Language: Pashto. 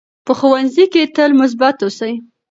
په ښوونځي کې تل مثبت اوسئ.